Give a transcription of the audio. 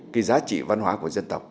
cái giá trị văn hóa của dân tộc